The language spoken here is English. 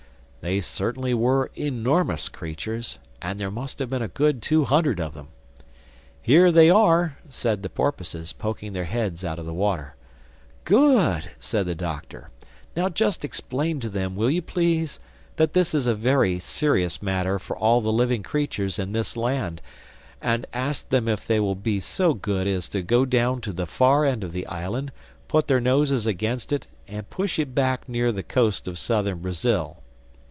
They certainly were enormous creatures; and there must have been a good two hundred of them. "Here they are," said the porpoises, poking their heads out of the water. "Good!" said the Doctor. "Now just explain to them, will you please? that this is a very serious matter for all the living creatures in this land. And ask them if they will be so good as to go down to the far end of the island, put their noses against it and push it back near the coast of Southern Brazil."